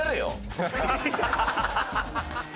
ハハハハ！